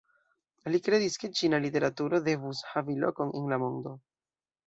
Li kredis ke ĉina literaturo devus havi lokon en la mondo.